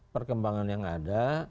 perkembangan yang ada